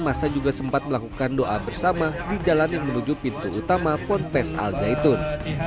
masa juga sempat melakukan doa bersama di jalan yang menuju pintu utama ponpes al zaitun